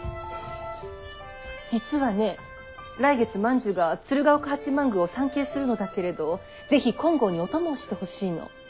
実はね来月万寿が鶴岡八幡宮を参詣するのだけれど是非金剛にお供をしてほしいの。